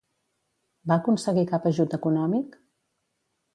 Va aconseguir cap ajut econòmic?